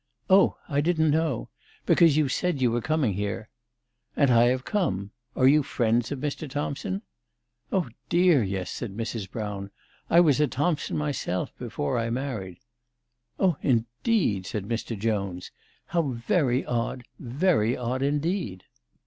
" Oh, I didn't know ; because you said you were coming here/' "And I have come here. Are you friends of Mr. Thompson ?"" Oh, dear, yes," said Mrs. Brown. " I was a Thompson myself before I married." " Oh, indeed !" said Mr. Jones. '' How very odd, very odd, indeed."